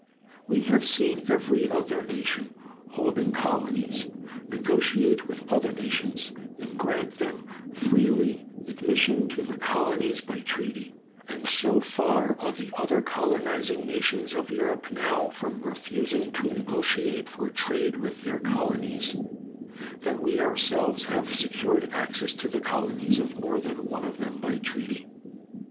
We have seen every other nation holding colonies negotiate with other nations and grant them freely admission to the colonies by treaty, and so far are the other colonizing nations of Europe now from refusing to negotiate for trade with their colonies that we ourselves have secured access to the colonies of more than one of them by treaty.